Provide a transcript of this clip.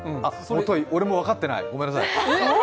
もとい、俺も分かってないごめんなさい。